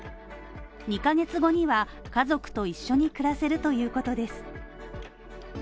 ２ヶ月後には家族と一緒に暮らせるということです。